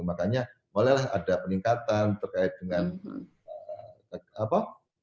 makanya mulailah ada peningkatan berkait dengan apa